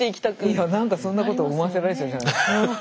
いや何かそんなこと思わせられちゃうじゃないですか。